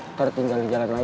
hai tertinggal sama emak